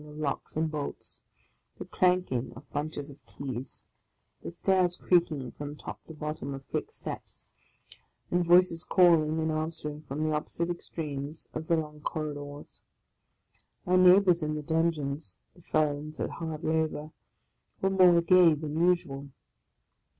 OF A CONDEMNED 55 clanking of bunches of keys ; the stairs creaking from top to bottom with quick steps ; and voices calling and answering from the opposite extremes of the long corridors. My neigh bours in the dungeons, the felons at hard labour, were more gay than usual.